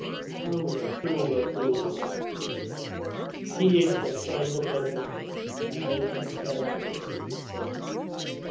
"Oh, the fool, the fool!" reflected Chichikov. "He is for throwing up everything and making spendthrifts of his sons.